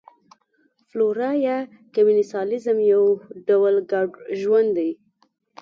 فلورا یا کمېنسالیزم یو ډول ګډ ژوند دی.